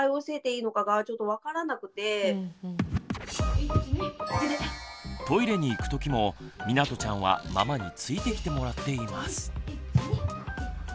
妹ばっかりにしちゃうとトイレに行く時もみなとちゃんはママについてきてもらっています。